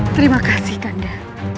terima kasih kanda